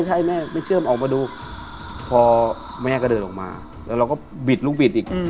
ใช่แม่ไม่เชื่อมออกมาดูพอแม่ก็เดินออกมาแล้วเราก็บิดลูกบิดอีก